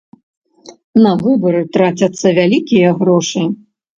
На выбары трацяцца вялікія грошы.